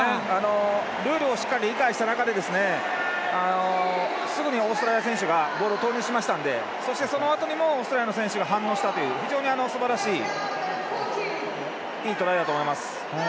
ルールをしっかり理解した中ですぐにオーストラリア選手がボールを投入しましたのでそして、そのあとにもオーストラリアの選手が反応したという非常にすばらしいいいトライだと思います。